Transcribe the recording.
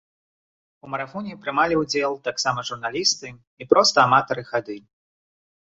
У марафоне прымалі ўдзел таксама журналісты і проста аматары хады.